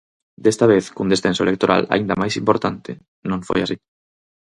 Desta vez, cun descenso electoral aínda máis importante, non foi así.